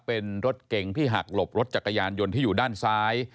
เป็นรถเก่งที่หักหลบรถจักรยานยนต์ที่อยู่ด้านซ้าย